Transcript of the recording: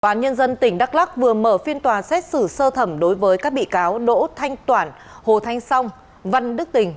tòa án nhân dân tỉnh đắk lắc vừa mở phiên tòa xét xử sơ thẩm đối với các bị cáo đỗ thanh toản hồ thanh song văn đức tình